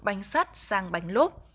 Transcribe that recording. bánh sắt sang bánh lốp